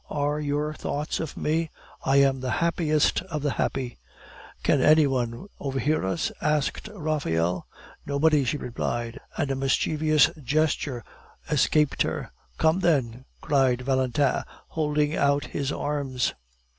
Are your thoughts of me? I am the happiest of the happy!" "Can any one overhear us?" asked Raphael. "Nobody," she replied, and a mischievous gesture escaped her. "Come, then!" cried Valentin, holding out his arms.